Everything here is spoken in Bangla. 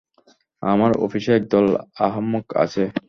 আমার অফিসে একদল আহম্মক আছে।